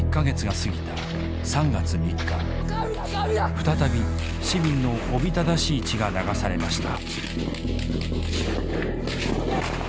再び市民のおびただしい血が流されました。